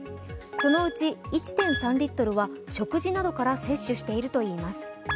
そのうち１．３リットルは食事などから摂取してるといいます。